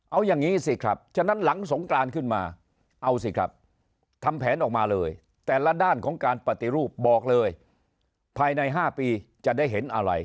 เอาอย่างนี้สิครับฉะนั้นหลังสงกรานขึ้นมาเอาสิครับทำแผนออกมาเลยแต่ละด้านของการปฏิรูปบอกเลยภายใน๕ปีจะได้เห็นอะไร